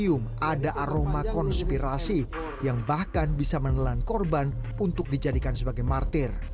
cium ada aroma konspirasi yang bahkan bisa menelan korban untuk dijadikan sebagai martir